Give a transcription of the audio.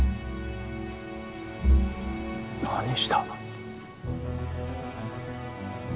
何した？